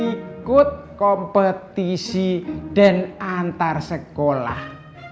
ikut kompetisi dan antar sekolah